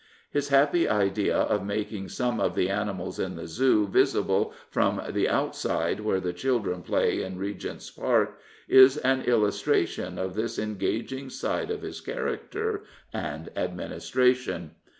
His happy idea of making some of the animads in the Zoo visible from the outside where the children play in Regent's Park is an illustration of this engaging side of his character and administration.